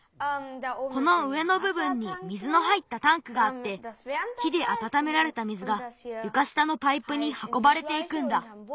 この上のぶぶんに水の入ったタンクがあって火であたためられた水がゆかしたのパイプにはこばれていくんだ。